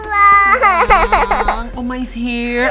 bismillahirrahmanirrahim ya allah ya allah